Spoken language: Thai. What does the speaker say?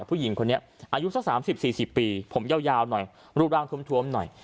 ผู้หญิงคนนี้อายุสัก๓๐๔๐ปีผมยาวหน่อยรูปร่างทวมหน่อย